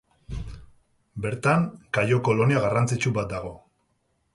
Bertan kaio-kolonia garrantzitsu bat dago.